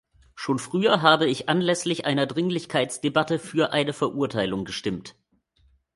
Schon früher habe ich anlässlich einer Dringlichkeitsdebatte für eine Verurteilung gestimmt.